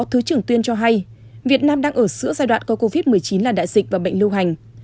thứ trưởng tuyên cho hay việt nam đang ở giữa giai đoạn có covid một mươi chín là đại dịch và bệnh lưu hành